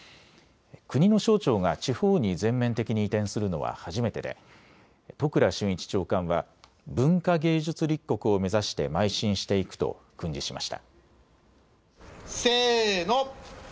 国の省庁が地方に全面的に移転するのは初めてで都倉俊一長官は文化芸術立国を目指して、まい進していくと訓示しました。